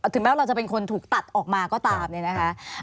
ถึงแม้ว่าเราจะเป็นคนถูกตัดออกมาก็ตามเนี่ยนะคะ